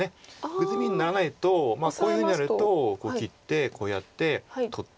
グズミにならないとこういうふうになると切ってこうやって取って。